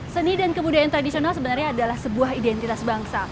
seni dan kebudayaan tradisional sebenarnya adalah sebuah identitas bangsa